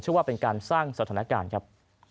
ว่าเป็นการสร้างสถานการณ์ครับ